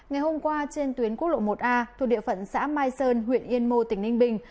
ngày hôm qua trên tuyến quốc lộ một a thuộc địa phận xã mai sơn huyện yên mô tỉnh ninh bình